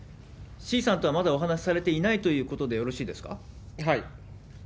志位さんとはまだお話されていないということでよろしいですはい。